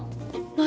何？